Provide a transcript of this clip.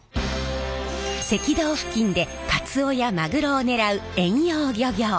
赤道付近でカツオやマグロを狙う遠洋漁業。